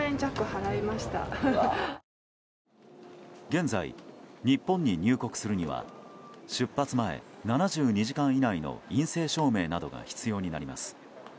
現在、日本に入国するには出発前７２時間以内の陰性証明などが必要になります。